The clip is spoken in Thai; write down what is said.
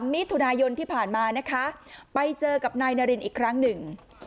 มิถุนายนที่ผ่านมานะคะไปเจอกับนายนารินอีกครั้งหนึ่ง